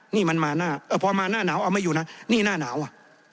นี่มันมาหน้าเออพอมาหน้าหนาวเอาไม่อยู่นะนี่หน้าหนาวอ่ะ